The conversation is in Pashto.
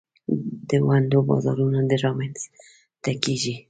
د ونډو بازارونه رامینځ ته کیږي.